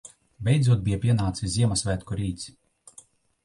Beidzot bija pienācis Ziemassvētku rīts.